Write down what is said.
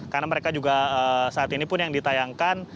karena mereka juga saat ini pun yang ditayangkan